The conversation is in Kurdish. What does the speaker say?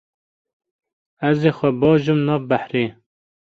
Ez ê xwe bajom nav behrê.